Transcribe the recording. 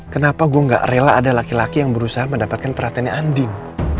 kenapa gue gak rela ada laki laki yang berusaha mendapatkan perhatiannya andin